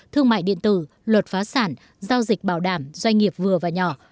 thương mại điện tử luật phá sản giao dịch bảo đảm doanh nghiệp vừa và nhỏ